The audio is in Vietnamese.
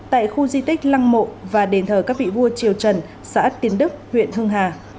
tại khu diết thích long mộ và đền thờ các vị vua triều trần xã tiến đức huyện hưng hà